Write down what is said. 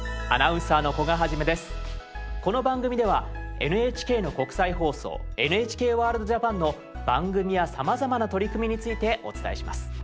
この番組ではＮＨＫの国際放送「ＮＨＫＷＯＲＬＤ−ＪＡＰＡＮ」の番組やさまざまな取り組みについてお伝えします。